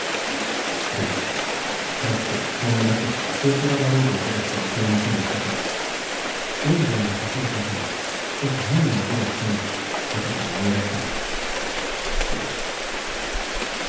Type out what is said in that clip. でも暗くて遠目だったし軽トラだろうという事しかわかりませんでしたけどエンジンがかかる時に少し変な音がしたのをあとから思い出したんです。